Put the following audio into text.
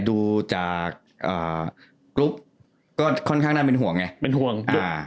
ดูจากกรุ๊ปก็ค่อนข้างน่าเป็นห่วงไงเป็นห่วงอ่า